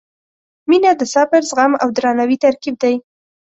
• مینه د صبر، زغم او درناوي ترکیب دی.